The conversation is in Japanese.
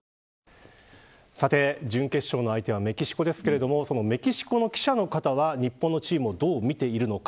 さて、準決勝の相手はメキシコですけれどもそのメキシコの記者の方は日本のチームをどう見ているのか。